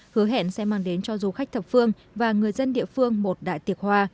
hứa hẹn sẽ mang đến cho du khách thập phương và người dân địa phương một đại tiệc hoa